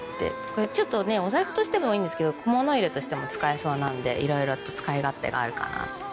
これちょっとねお財布としてもいいんですけど小物入れとしても使えそうなんでいろいろと使い勝手があるかなと。